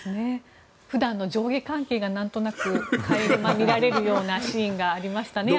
普段の上下関係が何となく垣間見られるようなシーンがありましたね